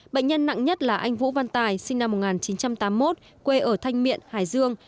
bệnh nhân nặng nhất là anh vũ văn tài sinh năm một nghìn chín trăm tám mươi một quê ở thanh miện hải dương